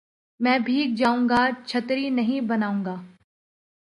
میں بھیگ جاؤں گا چھتری نہیں بناؤں گا